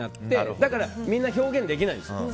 だからみんな表現できないんですよ。